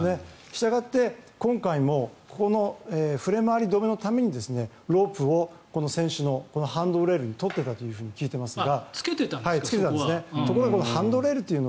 したがって、今回もここの振れ回り止めのためにロープを船首のハンドレールにつけていたと聞いていますが。